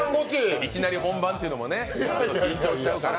いきなり本番っていうのもね、緊張しちゃうから。